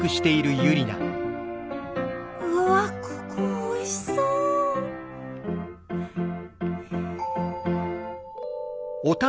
ここおいしそう！